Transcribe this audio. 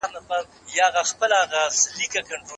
ډېرو کسانو خپل ژوند د ګوند لپاره قرباني کړی و.